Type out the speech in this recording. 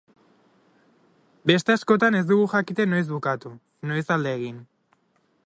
Beste askotan ez dugu jakiten noiz bukatu, noiz alde egin.